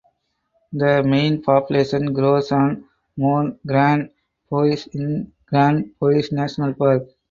The main population grows on Morne Grand Bois in Grand Bois National Park.